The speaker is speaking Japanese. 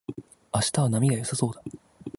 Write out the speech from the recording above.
明日は波が良さそうだ